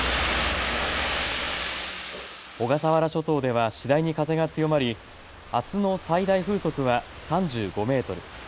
小笠原諸島では次第に風が強まりあすの最大風速は３５メートル。